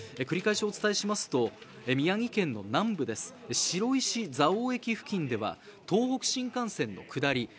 繰り返しお伝えしますと宮城県の南部白石蔵王駅付近では東北新幹線の下り